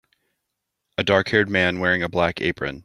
A darkhaired man wearing a black apron.